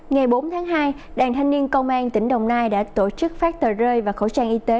ngày bốn tháng hai đoàn thanh niên công an tỉnh đồng nai đã tổ chức phát tờ rơi và khẩu trang y tế